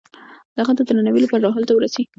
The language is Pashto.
د هغه د درناوي لپاره لاهور ته ورسي.